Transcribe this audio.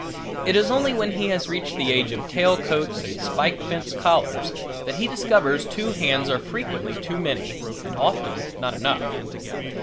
It is only when he has reached the age of tail coats and spike fence collars that he discovers two hands are frequently too many and often not enough.